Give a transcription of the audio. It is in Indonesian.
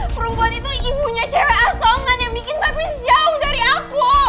perempuan itu ibunya cewek asongan yang bikin badminist jauh dari aku